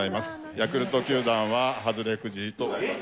ヤクルト球団は外れくじとなります。